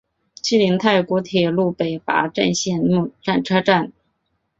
西邻泰国铁路东北线华目车站。